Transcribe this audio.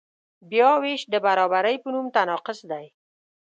بیاوېش د برابرۍ په نوم تناقض دی.